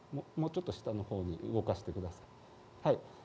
もうちょっと下のほうに動かしてください。